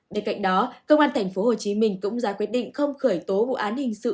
bên cạnh đó công an tp hcm cũng ra quyết định không khởi tố vụ án hình sự